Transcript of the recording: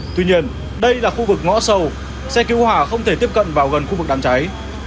tuy nhiên đây là khu vực ngõ sâu xe cứu hỏa không thể tiếp cận vào gần khu vực đám cháy